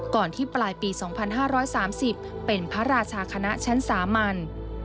ที่ปลายปี๒๕๓๐เป็นพระราชาคณะชั้นสามัญ